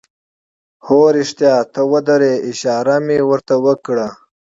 هو، رښتیا ته ودره، اشاره مې ور ته وکړه.